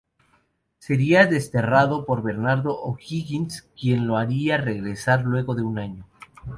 Sería desterrado por Bernardo O'Higgins, quien lo haría regresar luego de un año.